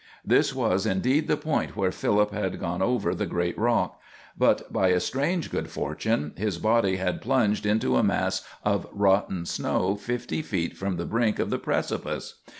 This was indeed the point where Philip had gone over the great rock; but by a strange good fortune his body had plunged into a mass of rotten snow fifty feet from the brink of the precipice.